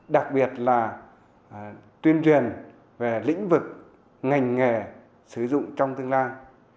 đặc biệt là tuyên truyền về lĩnh vực ngành nghề sử dụng trong tương lai